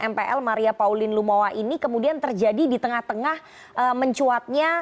mpl maria pauline lumowa ini kemudian terjadi di tengah tengah mencuatnya